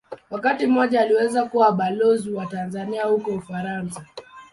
Wakati mmoja aliweza kuwa Balozi wa Tanzania huko Ufaransa.